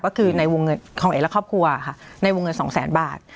ก็คือในวงเงินของเอกและครอบครัวค่ะในวงเงินสองแสนบาท